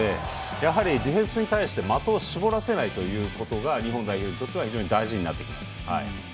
やはりディフェンスに対して的を絞らせないということが日本代表にとっては非常に大事になってきます。